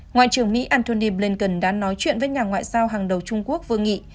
ngoại trưởng mỹ antony blinken đã nói chuyện với nhà ngoại giao hàng đầu trung quốc vương nghị